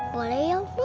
boleh ya ma